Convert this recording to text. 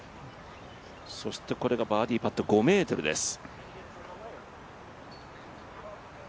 これがバーディーパット５ｍです。